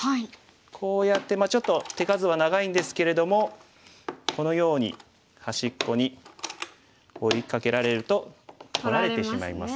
こうやってちょっと手数は長いんですけれどもこのように端っこに追いかけられると取られてしまいます。